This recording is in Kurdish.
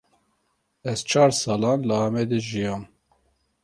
Ez çar salan li Amedê jiyam.